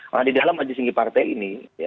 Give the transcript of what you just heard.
nah di dalam majelis tinggi partai ini